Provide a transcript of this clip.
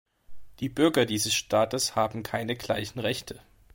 Die Bürger dieses Staates haben keine gleichen Rechte.